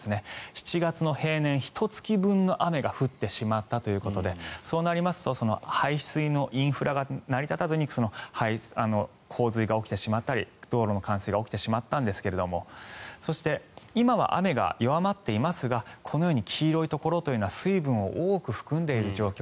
７月の平年ひと月分の雨が降ってしまったということでそうなりますと排水のインフラが成り立たずに洪水が起きてしまったり道路の冠水が起きてしまったんですがそして今は雨が弱まっていますがこのように黄色いところというのは水分を多く含んでいる状況。